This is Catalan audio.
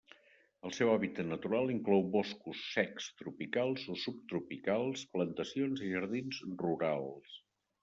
El seu hàbitat natural inclou boscos secs tropicals o subtropicals, plantacions i jardins rurals.